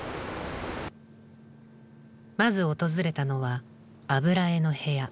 まず訪れたのは油絵の部屋。